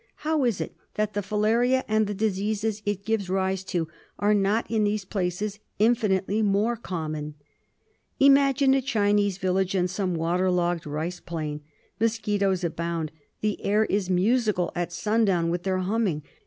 How is it that the filaria, and the diseases it gives rise to, are not in these places infinitely more common ? Imagine a Chinese village in some water logged rice plain. Mosquitos abound; the air is musical at sundown with their humming.